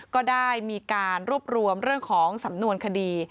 ก็ได้มีการรวบรวมเรื่องของสำนวนคดี